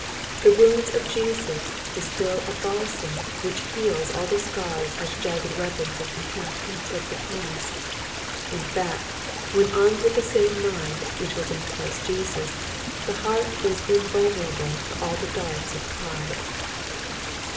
The wounds of Jesns di«til a Balsam which heals all the scars which the jagged weapons of contempt can inflict upon us ; ia fact, when armed with the same mind which was in Christ Jeaui, the heart is invulnerable to all the darts of pride.